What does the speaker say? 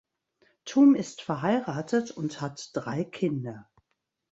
Thum ist verheiratet und hat drei Kinder.